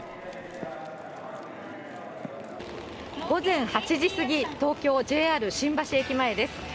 午前８時過ぎ、東京・ＪＲ新橋駅前です。